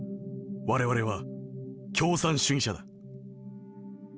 我々は共産主義者だ。